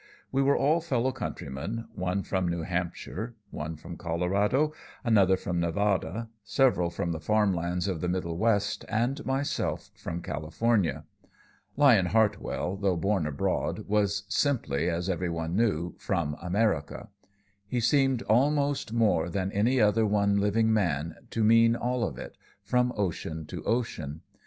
We were all fellow countrymen; one from New Hampshire, one from Colorado, another from Nevada, several from the farm lands of the Middle West, and I myself from California. Lyon Hartwell, though born abroad, was simply, as every one knew, "from America." He seemed, almost more than any other one living man, to mean all of it from ocean to ocean.